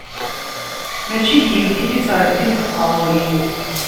Mačči d yiwet i d-ittɛeddin deg uqerru-yiw.